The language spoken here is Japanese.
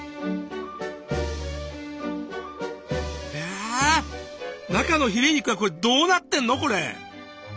いや中のヒレ肉はどうなってんのこれ？